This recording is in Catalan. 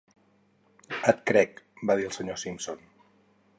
"Et crec", va dir el senyor Simpson.